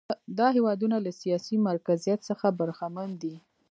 دا هېوادونه له سیاسي مرکزیت څخه برخمن دي.